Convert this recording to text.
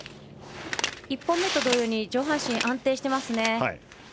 １本目と同様に上半身安定してますね。